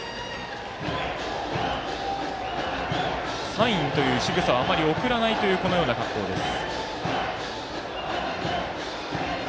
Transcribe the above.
サインというしぐさはあまり送らないというこのような格好です。